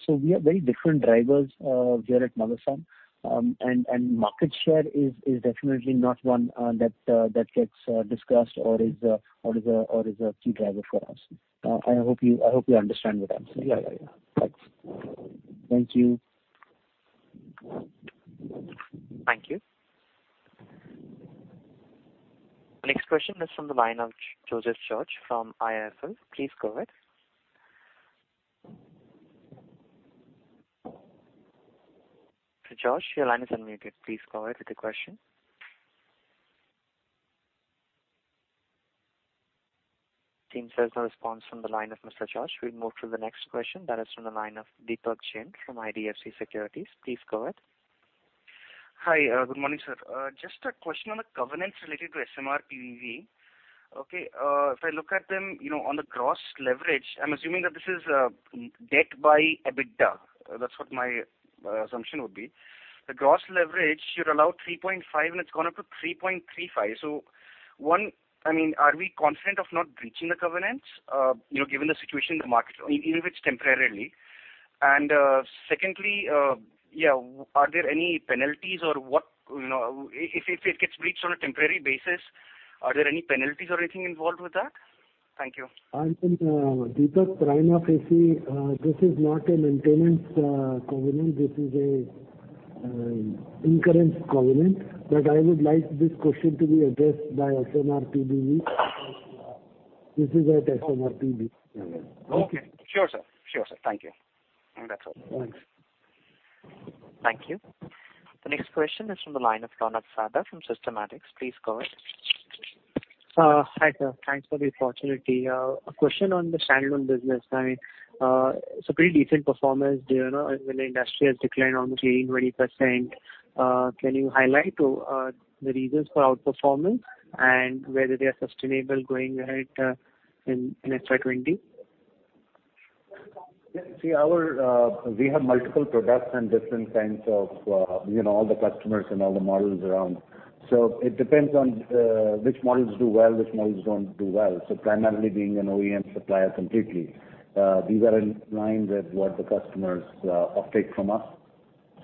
We have very different drivers here at Motherson, and market share is definitely not one that gets discussed or is a key driver for us. I hope you understand what I'm saying. Yeah, yeah, yeah. Thanks. Thank you. Thank you. The next question is from the line of Joseph George from IIFL. Please go ahead. Mr. George, your line is unmuted. Please go ahead with your question. Seems there's no response from the line of Mr. George. We'll move to the next question. That is from the line of Deepak Jain from IDFC Securities. Please go ahead. Hi, good morning, sir. Just a question on the governance related to SMRP BV. Okay. If I look at them, you know, on the gross leverage, I'm assuming that this is, debt by EBITDA. That's what my, assumption would be. The gross leverage, you're allowed 3.5, and it's gone up to 3.35. So one, I mean, are we confident of not breaching the governance, you know, given the situation, the market, even if it's temporarily? And, secondly, yeah, are there any penalties or what, you know, if it gets breached on a temporary basis, are there any penalties or anything involved with that? Thank you. I'm from [Deepak Rana Pessi]. This is not a maintenance covenant. This is an incurrence covenant. But I would like this question to be addressed by SMRP BV. This is at SMRP BV. Okay. Sure, sir. Sure, sir. Thank you. That's all. Thanks. Thank you. The next question is from the line of Ronak Sarda from Systematix Shares & Stocks. Please go ahead. Hi, sir. Thanks for the opportunity. A question on the standalone business. I mean, it's a pretty decent performance there, you know, when the industry has declined almost 18-20%. Can you highlight the reasons for outperformance and whether they are sustainable going ahead in FY20? Yeah. See, we have multiple products and different kinds of, you know, all the customers and all the models around. So it depends on which models do well, which models don't do well. So primarily being an OEM supplier completely. These are in line with what the customers' uptake from us.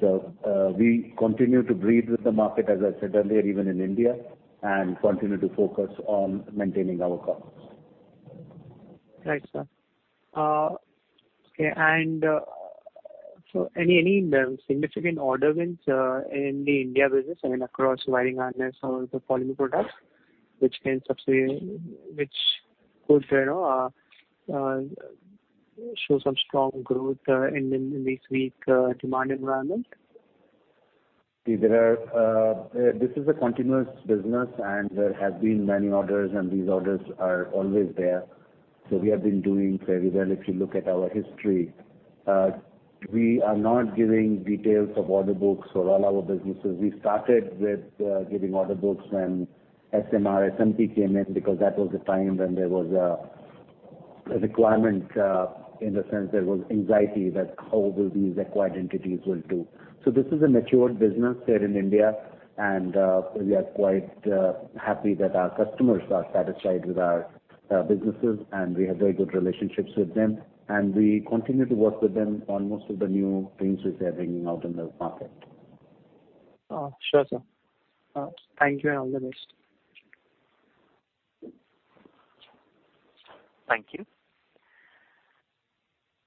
So, we continue to breathe with the market, as I said earlier, even in India, and continue to focus on maintaining our costs. Thanks, sir. Okay. So any significant order wins in the India business and across wiring and NA and some of the following products, which could, you know, show some strong growth in this weak demand environment? See, there are this is a continuous business, and there have been many orders, and these orders are always there. So we have been doing fairly well if you look at our history. We are not giving details of order books for all our businesses. We started with giving order books when SMR SMP came in because that was the time when there was a requirement, in the sense there was anxiety that how will these acquired entities will do. So this is a matured business here in India, and we are quite happy that our customers are satisfied with our businesses, and we have very good relationships with them. And we continue to work with them on most of the new things which they are bringing out in the market. Sure, sir. Thank you and all the best. Thank you.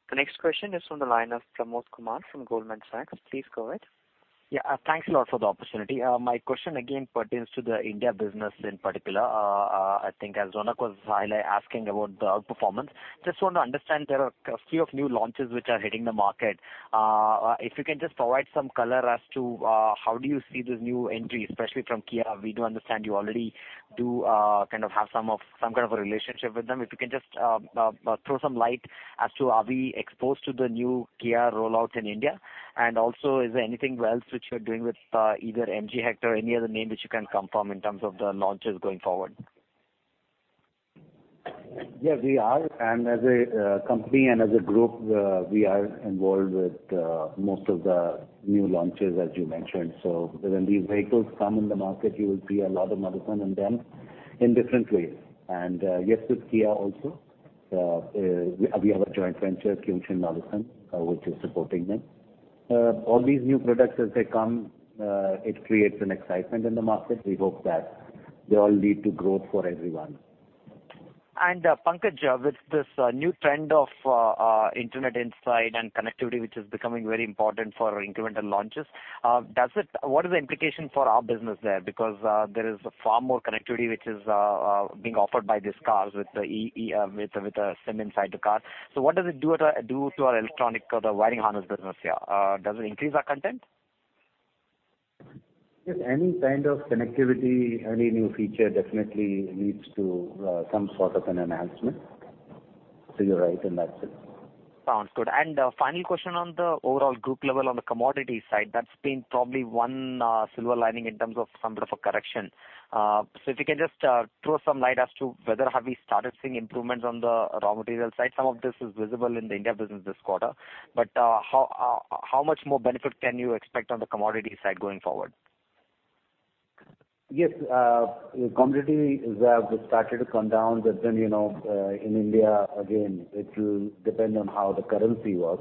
The next question is from the line of Pramod Kumar from Goldman Sachs. Please go ahead. Yeah, thanks a lot for the opportunity. My question again pertains to the India business in particular. I think as Ronak was highlighting asking about the outperformance, just want to understand there are a few new launches which are hitting the market. If you can just provide some color as to how do you see this new entry, especially from Kia? We do understand you already do kind of have some kind of a relationship with them. If you can just throw some light as to are we exposed to the new Kia rollouts in India? And also, is there anything else which you're doing with either MG Hector or any other name which you can confirm in terms of the launches going forward? Yeah, we are. And as a company and as a group, we are involved with most of the new launches as you mentioned. So when these vehicles come in the market, you will see a lot of Motherson in them in different ways. And yes, with Kia also, we have a joint venture, Kyungshin Motherson, which is supporting them. All these new products, as they come, it creates an excitement in the market. We hope that they all lead to growth for everyone. Pankaj, with this new trend of internet inside and connectivity which is becoming very important for incremental launches, does it, what is the implication for our business there? Because there is far more connectivity which is being offered by these cars with the EE, with a SIM inside the car. So what does it do to our electronics, the wiring harness business here? Does it increase our content? Yes, any kind of connectivity, any new feature definitely leads to some sort of an enhancement. So you're right in that sense. Sounds good. And final question on the overall group level on the commodity side. That's been probably one silver lining in terms of some sort of a correction. So if you can just throw some light as to whether have we started seeing improvements on the raw material side. Some of this is visible in the India business this quarter. But how, how much more benefit can you expect on the commodity side going forward? Yes, the commodity has started to come down. But then, you know, in India, again, it will depend on how the currency was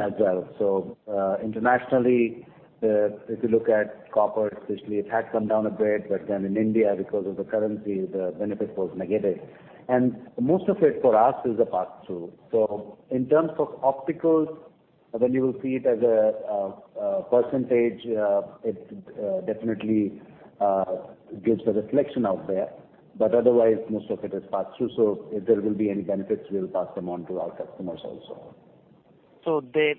as well. So, internationally, if you look at copper, especially, it had come down a bit, but then in India, because of the currency, the benefit was negative. And most of it for us is a pass-through. So in terms of optics, then you will see it as a percentage. It definitely gives a reflection out there. But otherwise, most of it is pass-through. So if there will be any benefits, we'll pass them on to our customers also. So they,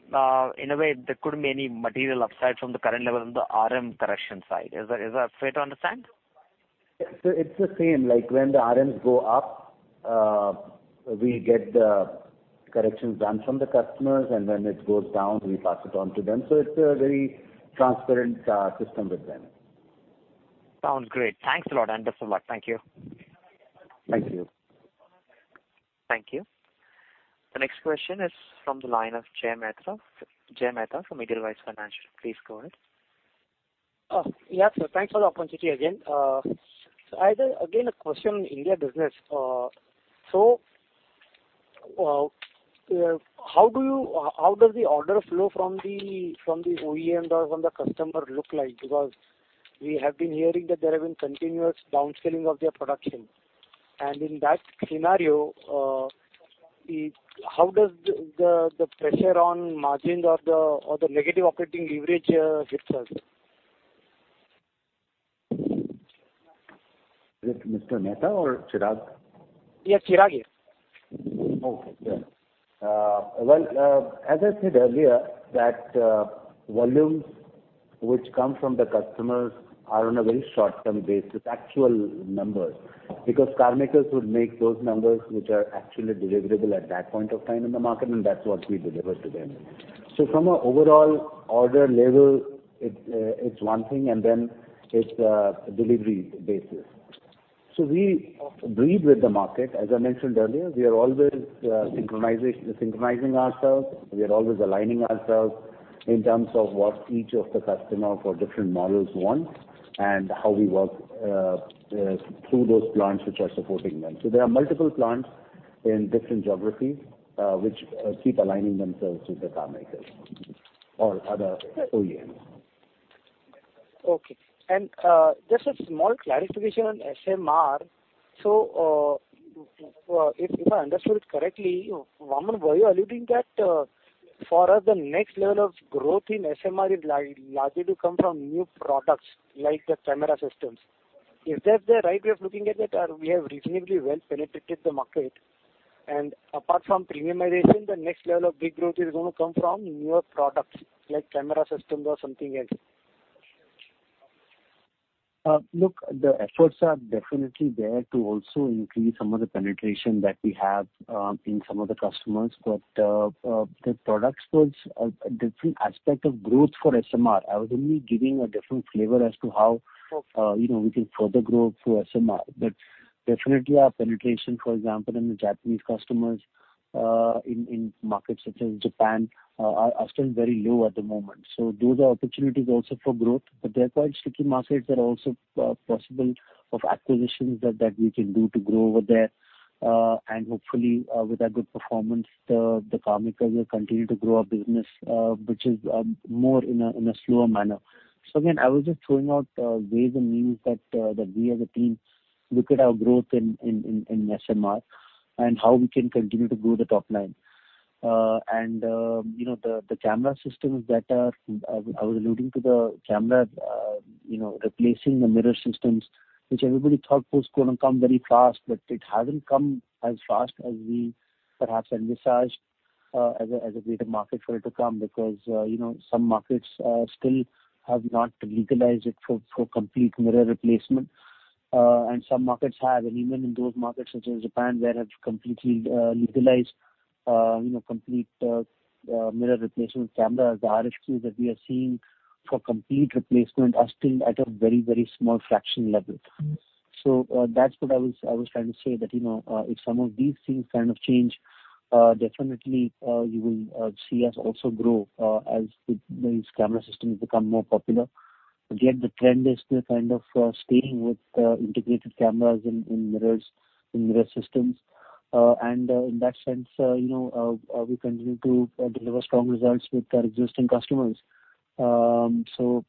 in a way, there couldn't be any material upside from the current level on the RM correction side. Is that, is that fair to understand? Yeah. So it's the same. Like when the RMs go up, we get the corrections done from the customers, and when it goes down, we pass it on to them. So it's a very transparent system with them. Sounds great. Thanks a lot and best of luck. Thank you. Thank you. Thank you. The next question is from the line of Jay Mehta, Jay Mehta from Edelweiss Financial. Please go ahead. Yes, sir. Thanks for the opportunity again. So I had, again, a question on India business. So, how do you, how does the order flow from the OEMs or from the customer look like? Because we have been hearing that there have been continuous downscaling of their production. And in that scenario, it, how does the pressure on margins or the negative operating leverage hit us? Is it Mr. Mehta or Chirag? Yeah, Chirag is. Okay. Yeah. Well, as I said earlier, that volumes which come from the customers are on a very short-term basis, actual numbers. Because car makers would make those numbers which are actually deliverable at that point of time in the market, and that's what we deliver to them. So from an overall order level, it's one thing, and then it's a delivery basis. So we breathe with the market. As I mentioned earlier, we are always synchronizing ourselves. We are always aligning ourselves in terms of what each of the customer for different models wants and how we work through those plants which are supporting them. So there are multiple plants in different geographies which keep aligning themselves with the car makers or other OEMs. Okay. And just a small clarification on SMR. So, if I understood it correctly, Vaaman, were you alluding that, for us, the next level of growth in SMR is likely to come from new products like the camera systems? Is that the right way of looking at it, or we have reasonably well penetrated the market? And apart from premiumization, the next level of big growth is going to come from newer products like camera systems or something else? Look, the efforts are definitely there to also increase some of the penetration that we have, in some of the customers. But the products was a different aspect of growth for SMR. I was only giving a different flavor as to how, you know, we can further grow through SMR. But definitely, our penetration, for example, in the Japanese customers, in markets such as Japan, are still very low at the moment. So those are opportunities also for growth, but they're quite sticky markets that are also possible of acquisitions that we can do to grow over there. And hopefully, with that good performance, the car makers will continue to grow our business, which is more in a slower manner. So again, I was just throwing out ways and means that we as a team look at our growth in SMR and how we can continue to grow the top line. And you know, the camera systems that I was alluding to, you know, replacing the mirror systems, which everybody thought was going to come very fast, but it hasn't come as fast as we perhaps envisaged as a greater market for it to come because you know, some markets still have not legalized it for complete mirror replacement. And some markets have, and even in those markets such as Japan, where they have completely legalized you know, complete mirror replacement cameras, the RFQs that we are seeing for complete replacement are still at a very small fraction level. So, that's what I was trying to say that, you know, if some of these things kind of change, definitely you will see us also grow, as these camera systems become more popular. Again, the trend is still kind of staying with integrated cameras and mirrors and mirror systems, and in that sense, you know, we continue to deliver strong results with our existing customers. So,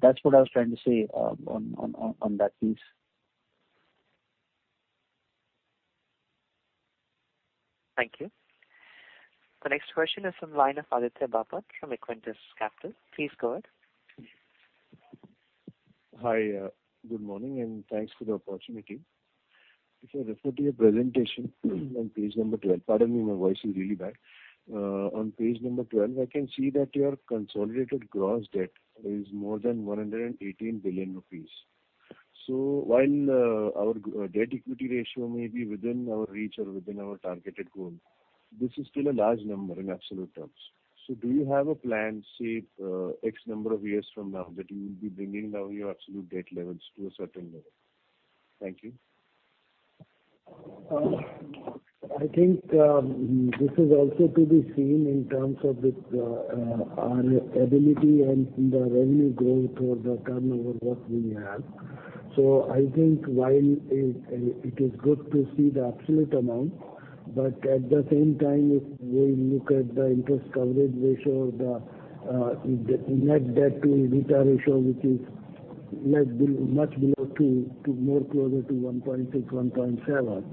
that's what I was trying to say on that piece. Thank you. The next question is from the line of Aditya Bapat from Equentis Capital. Please go ahead. Hi, good morning, and thanks for the opportunity. If I refer to your presentation on page number 12, pardon me, my voice is really bad. On page number 12, I can see that your consolidated gross debt is more than 118 billion rupees. So while our debt equity ratio may be within our reach or within our targeted goal, this is still a large number in absolute terms. So do you have a plan, say, X number of years from now that you will be bringing down your absolute debt levels to a certain level? Thank you. I think this is also to be seen in terms of our ability and the revenue growth or the turnover what we have. So I think while it is good to see the absolute amount, but at the same time, if we look at the interest coverage ratio or the net debt to EBITDA ratio, which is much below two, to more closer to 1.6, 1.7,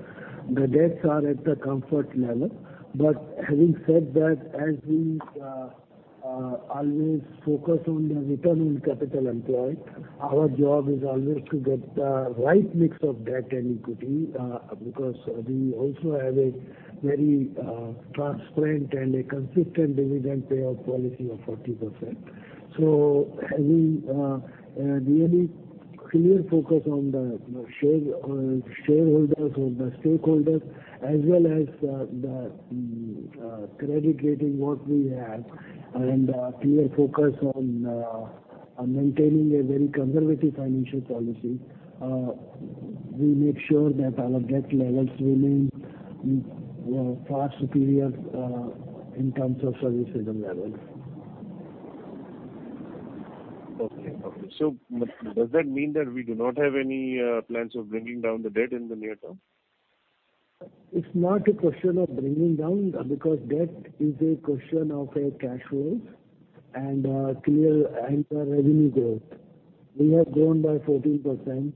the debts are at the comfort level. But having said that, as we always focus on the return on capital employed, our job is always to get the right mix of debt and equity, because we also have a very transparent and a consistent dividend payout policy of 40%. Having a really clear focus on the shareholders or the stakeholders, as well as the credit rating what we have, and clear focus on maintaining a very conservative financial policy, we make sure that our debt levels remain far superior in terms of services and levels. Okay. So does that mean that we do not have any plans of bringing down the debt in the near term? It's not a question of bringing down because debt is a question of cash flows and clear revenue growth. We have grown by 14%.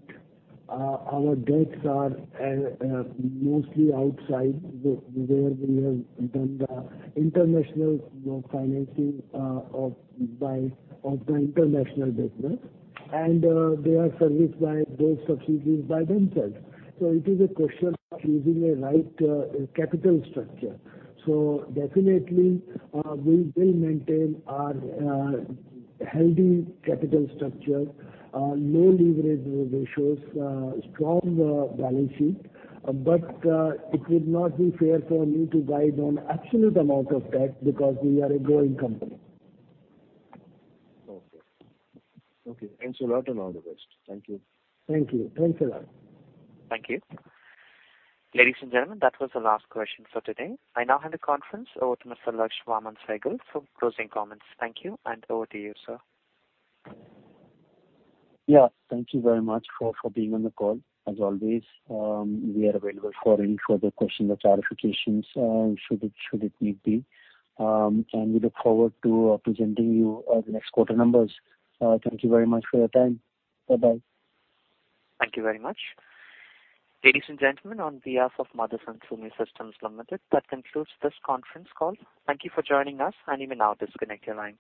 Our debts are mostly outside of where we have done the international financing of the international business. And they are serviced by those subsidiaries by themselves. So it is a question of choosing the right capital structure. So definitely we will maintain our healthy capital structure, low leverage ratios, strong balance sheet. But it would not be fair for me to guide on absolute amount of debt because we are a growing company. Okay. Okay. Thanks a lot and all the best. Thank you. Thank you. Thanks a lot. Thank you. Ladies and gentlemen, that was the last question for today. I now hand the conference over to Mr. Laksh Vaaman Sehgal for closing comments. Thank you. And over to you, sir. Yeah. Thank you very much for being on the call. As always, we are available for any further questions or clarifications, should it need be. And we look forward to presenting you the next quarter numbers. Thank you very much for your time. Bye-bye. Thank you very much. Ladies and gentlemen, on behalf of Motherson Sumi Systems Limited, that concludes this conference call. Thank you for joining us, and you may now disconnect your lines.